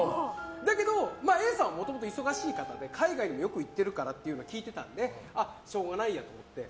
だけど、Ａさんはもともと忙しい方で海外にもよく行ってるからと聞いていたのでしょうがないやと思って。